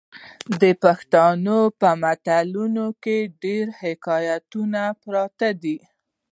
د پښتنو په متلونو کې ډیر حکمت پروت دی.